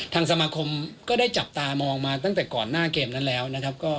สมาคมก็ได้จับตามองมาตั้งแต่ก่อนหน้าเกมนั้นแล้วนะครับ